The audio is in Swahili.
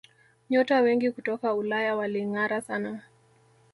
nyota wengi kutoka Ulaya walingara sana